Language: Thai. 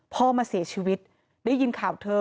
พ่อมาเสียชีวิตได้ยินข่าวเธอ